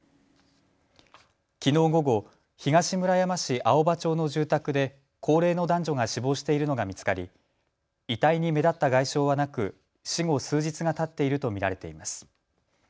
きのう午後、東村山市青葉町の住宅で高齢の男女が死亡しているのが見つかり遺体に目立った外傷はなく死後、数日がたっていると見られています。